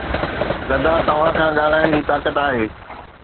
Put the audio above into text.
گدا توهان کان ڳالهائڻ جي طاقت آهي